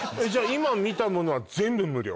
今見たものは全部無料？